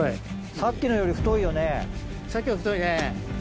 さっきのより太いね。